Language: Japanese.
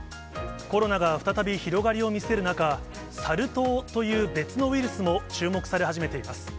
コロナが再び広がりを見せる中、サル痘という別のウイルスも注目され始めています。